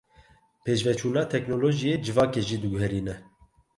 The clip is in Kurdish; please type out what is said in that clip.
Pêşveçûna teknolojiyê civakê jî diguherîne.